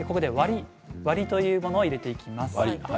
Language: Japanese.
割りというものを入れていきます。